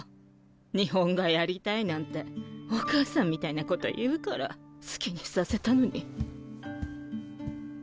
日本画やりたいなんてお母さんみたいなこと言うから好きにさせたのに。